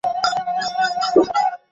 চিন্তা করিস না, আমি প্রস্তুত আছি।